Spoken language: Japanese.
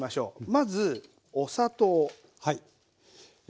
まずお砂糖。